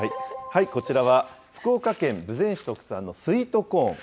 こちらは、福岡県豊前市特産のスイートコーン。